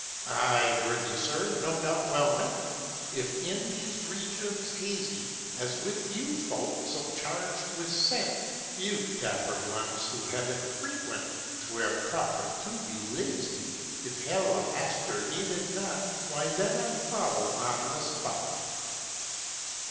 "Ay, worthy sir, no doubt well meant! If, in these regions hazy, As with you folk, so charged with scent, You dapper ones who heaven frequent, 'Twere proper to be lazy, If hell a master needed not, Why, then I'd follow on the spot!